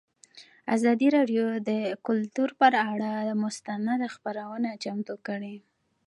ازادي راډیو د کلتور پر اړه مستند خپرونه چمتو کړې.